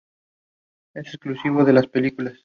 Es exclusivo de las películas.